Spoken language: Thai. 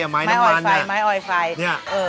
เออไม้ไฟไม้น้ำมันนะไม้ออยไฟไม้ออยไฟนี่